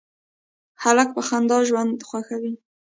هلک په خندا ژوند خوښوي.